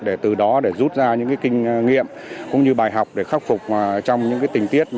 để từ đó để rút ra những kinh nghiệm cũng như bài học để khắc phục trong những tình tiết